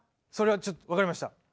それはちょっと分かりました。